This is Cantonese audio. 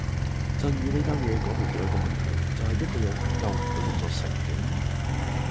震宇呢單嘢講明咗一個問題就係一個人係救唔到一座城嘅